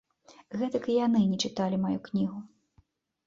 Гэтак і яны не чыталі маю кнігу.